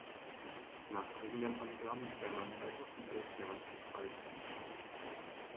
Nach eigenen Angaben begann er im Alter von elf Jahren zu schreiben.